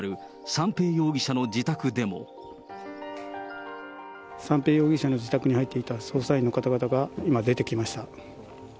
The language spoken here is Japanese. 三瓶容疑者の自宅に入っていた捜査員の方々が、今、出てきました。